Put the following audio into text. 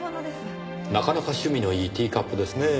なかなか趣味のいいティーカップですねぇ。